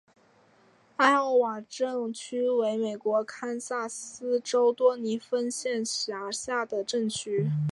艾奥瓦镇区为美国堪萨斯州多尼芬县辖下的镇区。